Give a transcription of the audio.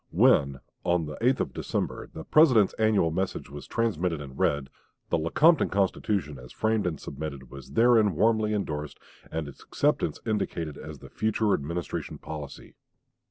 When, on the 8th of December, the President's annual message was transmitted and read, the Lecompton Constitution, as framed and submitted, was therein warmly indorsed and its acceptance indicated as the future Administration policy.